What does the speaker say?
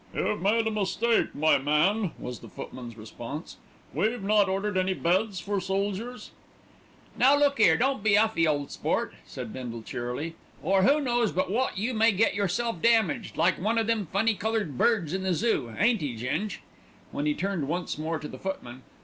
"You've made a mistake, my man," was the footman's response. "We've not ordered any beds for soldiers." "Now look 'ere, don't be uffy, ole sport," said Bindle cheerily, "or who knows but wot you may get yourself damaged. Like one o' them funny coloured birds in the Zoo, ain't 'e, Ging?" Then he turned once more to the footman.